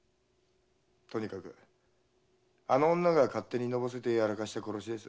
とにかくあの女が勝手にのぼせてやらかした殺しです。